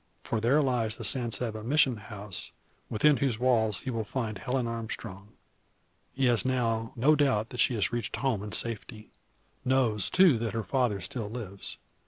For there lies the San Saba Mission house, within whose walls he will find Helen Armstrong. He has now no doubt that she has reached home in safety; knows, too, that her father still lives.